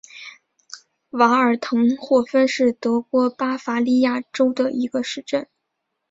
瓦尔滕霍芬是德国巴伐利亚州的一个市镇。